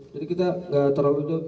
jadi kita gak terlalu jauh